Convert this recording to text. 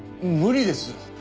無理です。